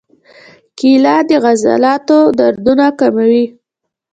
کېله د عضلاتو دردونه کموي.